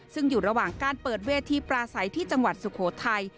ซึ่งอยู่ระหว่างการเปิดเวทีปราศัยที่จังหวัดสุโขทัย